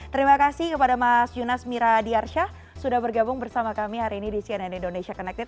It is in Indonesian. terima kasih kepada mas junas miradiarsyah sudah bergabung bersama kami hari ini di cnn indonesia connected